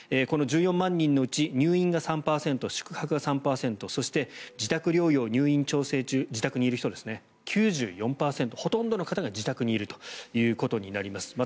この１４万人のうち入院が３％宿泊が３％そして自宅療養・入院調整中自宅にいる人ですね、９４％ほとんどの方が自宅にいるということになります。